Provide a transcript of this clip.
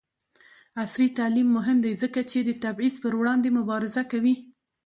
عصري تعلیم مهم دی ځکه چې د تبعیض پر وړاندې مبارزه کوي.